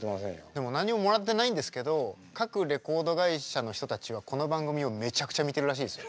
でも何ももらってないんですけど各レコード会社の人たちはこの番組をめちゃくちゃ見てるらしいですよ。